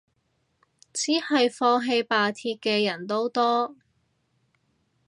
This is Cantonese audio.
只係放棄罷鐵嘅人都多